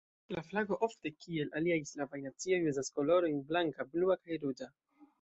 La flago, ofte kiel aliaj slavaj nacioj, uzas la kolorojn blanka, blua kaj ruĝa.